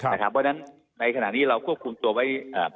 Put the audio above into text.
เพราะฉะนั้นในขณะนี้เราควบคุมตัวไว้